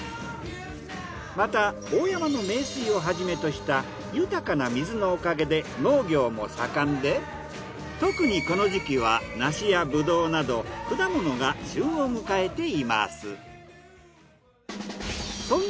また大山の名水をはじめとした豊かな水のおかげで農業も盛んで特にこの時期は梨やブドウなど果物が旬を迎えています。